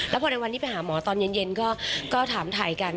แล้วพอในวันที่ไปหาหมอตอนเย็นก็ถามถ่ายกัน